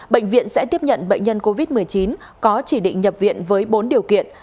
bệnh viện sẽ tiếp nhận bệnh nhân covid một mươi chín có chỉ định nhập viện với bốn điều kiện